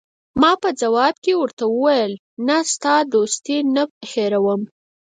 ما په ځواب کې ورته وویل: نه، ستا دوستي نه هیروم.